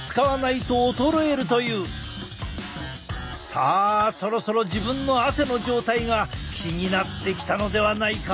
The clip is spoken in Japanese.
さあそろそろ自分の汗の状態が気になってきたのではないか？